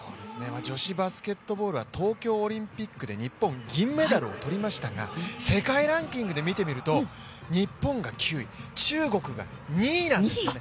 女子バスケットボールは東京オリンピックで銀メダルをとりましたが、世界ランキングで見てみると日本が９位、中国が２位なんですよね。